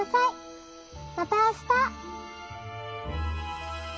またあした。